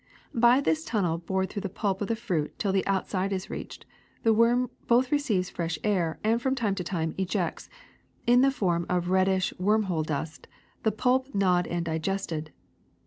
By this tunnel bored through the pulp of the fruit till the outside is reached the worm both receives fresh air and from time to time ejects, in the form of red dish wormhole dust, the pulp gnawed and digested.